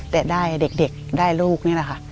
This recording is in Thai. แต่ได้เด็กได้ลูกนี่แหละค่ะ